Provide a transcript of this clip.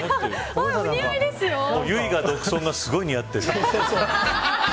唯我独尊がすごい似合っている。